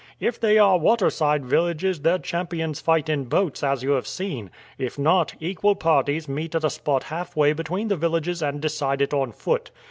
"If they are water side villages their champions fight in boats, as you have seen; if not, equal parties meet at a spot halfway between the villages and decide it on foot.